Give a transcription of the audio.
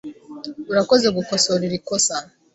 Urakoze gukosora iri kosa.